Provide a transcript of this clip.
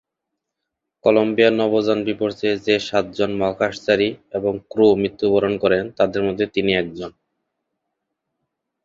Colombia নভোযান বিপর্যয়ে যে সাতজন মহাকাশচারী এবং ক্রু মৃত্যুবরণ করেন তাদের মধ্যে তিনি একজন।